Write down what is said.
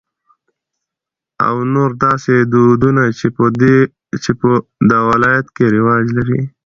او نور داسې دودنه چې په د ولايت کې رواج لري.